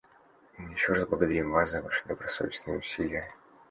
Мы еще раз благодарим вас за ваши добросовестные усилия.